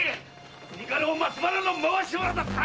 国家老松原の回し者だったか‼